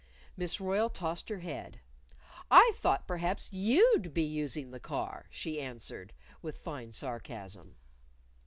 Miss Royle tossed her head. "I thought perhaps you'd be using the car," she answered, with fine sarcasm.